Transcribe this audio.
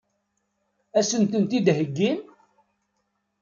Ad as-tent-id-heggin?